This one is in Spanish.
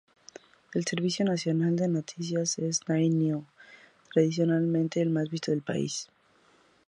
El servicio nacional de noticias es "Nine News", tradicionalmente el más visto del país.